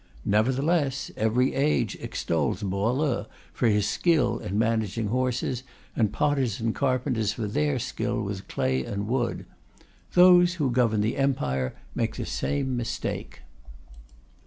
Nevertheless, every age extols Po Lo for his skill in managing horses, and potters and carpenters for their skill with clay and wood. Those who govern the Empire make the same mistake.